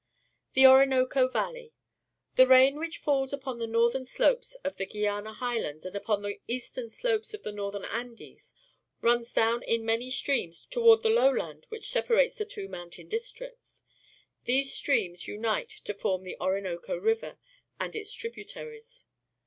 The Orinoco Valley. — The rain which falls upon the northern slopes of the Guiana Highlands and upon the eastern slopes of the Northern Andes runs down in many streams toward the lowland which separates the two mountain districts. These streams unite to form the Orinoco River and its tributaries.